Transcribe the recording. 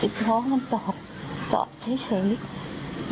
สิบร้อยมันจอดเฉย